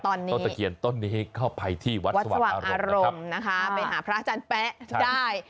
ตอนนี้ต้นตะเคียนต้นนี้เข้าไปที่วัดสว่างอารมณ์นะคะไปหาพระอาจารย์แป๊ะได้